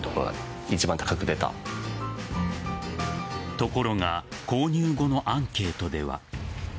ところが購入後のアンケートでは。